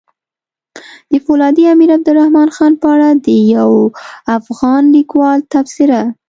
د فولادي امير عبدالرحمن خان په اړه د يو افغان ليکوال تبصره!